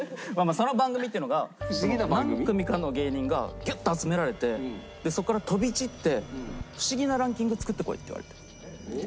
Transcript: その番組っていうのが何組かの芸人がギュッと集められてそこから飛び散ってフシギなランキング作ってこいって言われて。